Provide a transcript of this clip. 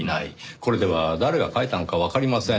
これでは誰が書いたのかわかりません。